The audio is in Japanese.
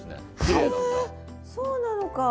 へえそうなのか。